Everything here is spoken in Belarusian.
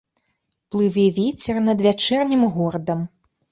Плыве вецер над вячэрнім горадам.